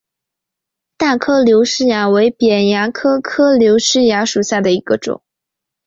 大颗瘤虱蚜为扁蚜科颗瘤虱蚜属下的一个种。